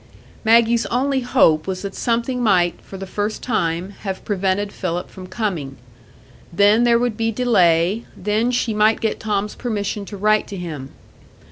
Maggie's only hope was that something might, for the first time, have prevented Philip from coming. Then there would be delay,—then she might get Tom's permission to write to him.